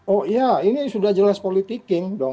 oh iya ini sudah jelas politiking dong